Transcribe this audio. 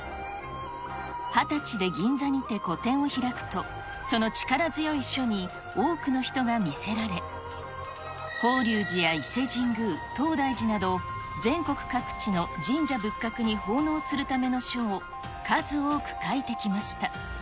２０歳で銀座にて個展を開くと、その力強い書に、多くの人が見せられ、法隆寺や伊勢神宮、東大寺など、全国各地の神社仏閣に奉納するための書を、数多く書いてきました。